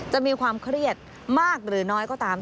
จะมีความเครียดมากหรือน้อยก็ตาม